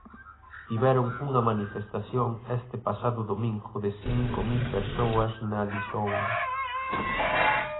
Tiveron unha manifestación este pasado domingo de cinco mil persoas na Alixoonga.